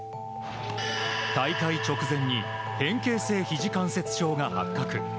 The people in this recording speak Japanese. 大会直前に変形性肘関節症が発覚。